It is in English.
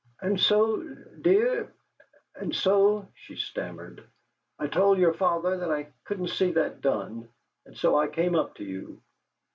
"And so, dear and so," she stammered, "I told your father that I couldn't see that done, and so I came up to you."